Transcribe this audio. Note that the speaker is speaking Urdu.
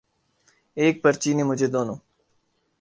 ایک پرچی نے مجھے دونوں